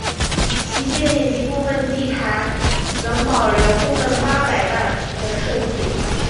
其店面及部份地台仍保留部份八佰伴的设计。